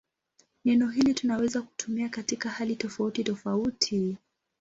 Neno hili tunaweza kutumia katika hali tofautitofauti.